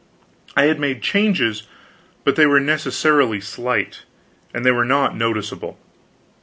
I had made changes, but they were necessarily slight, and they were not noticeable.